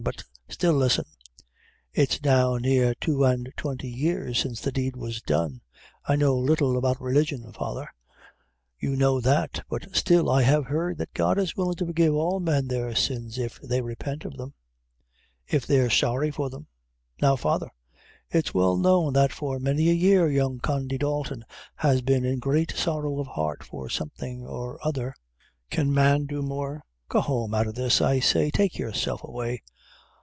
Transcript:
But still listen: it's now near two an' twenty years since the deed was done. I know little about religion, father; you know that; but still I have heard that God is willin' to forgive all men their sins if they repent of them; if they're sorry for them. Now, father, it's well known that for many a long year Condy Dalton has been in great sorrow of heart for something or other; can man do more?" "Go home out o' this, I say; take yourself away."